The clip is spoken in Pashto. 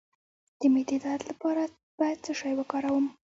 د معدې درد لپاره باید څه شی وکاروم؟